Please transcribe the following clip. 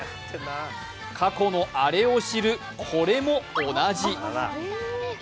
過去のアレを知るコレも同じ。